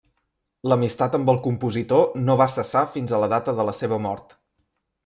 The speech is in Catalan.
L'amistat amb el compositor no va cessar fins a la data de la seva mort.